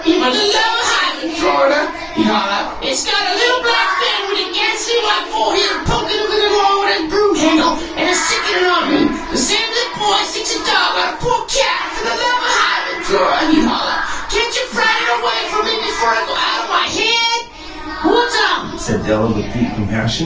'Fer th' love o' hivin', Flora,' he'd holler, 'it's got a little black man wit' a gassly white forehead a pokin' of it along wit' a broom handle, an' a sickin' it on me, the same as a boy sicks a dog on a poor cat. Fer the love o' hivin', Flora,' he'd holler, 'cantcha fright it away from me before I go out o' me head?'" "Poor Tom!"